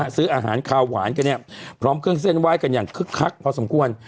ซื้ออาหารคาวหวานกันพร้อมเครื่องเส้นไหว้กันอย่างคึกคักพอสมควร